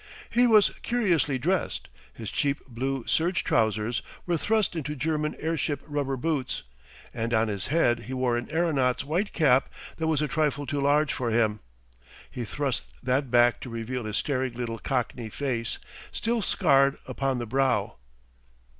He was curiously dressed. His cheap blue serge trousers were thrust into German airship rubber boots, and on his head he wore an aeronaut's white cap that was a trifle too large for him. He thrust that back to reveal his staring little Cockney face, still scarred upon the brow.